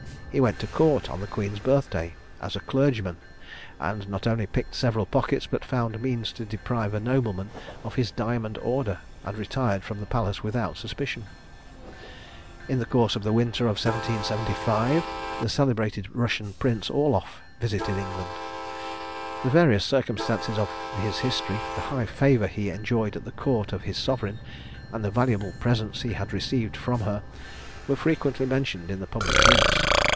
He went to court on the queen's birthday, as a clergyman, and not only picked several pockets, but found means to deprive a nobleman of his diamond order, and retired from the palace without suspicion. In the course of the winter of 1775 the celebrated Russian Prince Orloff visited England. The various circumstances of his history, the high favour he enjoyed at the court of his sovereign, and the valuable presents he had received from her, were frequently mentioned in the public prints.